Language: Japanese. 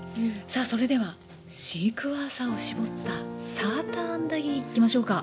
さあそれではシークワーサーを搾ったサーターアンダギーいきましょうか。